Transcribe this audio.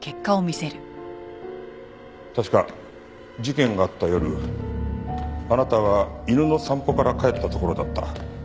確か事件があった夜あなたは犬の散歩から帰ったところだった。